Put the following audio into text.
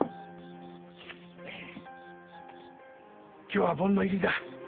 今日は盆の入りだ。